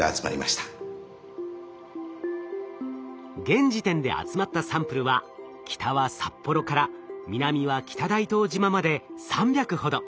現時点で集まったサンプルは北は札幌から南は北大東島まで３００ほど。